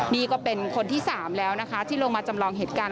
นี่ก็เป็นคนที่๓แล้วนะคะที่ลงมาจำลองเหตุการณ์